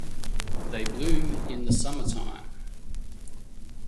They bloom in the summertime.